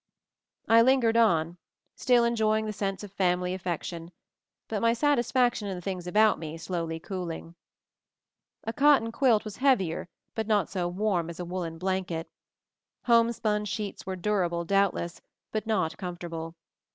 I lingered on, still enjoying the sense of family affection, but my satisfaction in the things about me slowly cooling. A cotton quilt was heavier but not so warm as a woolen blanket. Homespun sheets were durable, doubtless, but not com fortable.